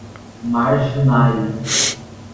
marginais